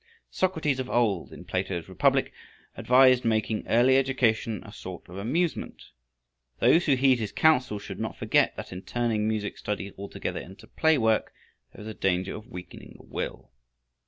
Socrates of old, in Plato's Republic, advised making early education a sort of amusement. Those who heed his counsel should not forget that in turning music study altogether into play work there is danger of weakening the will.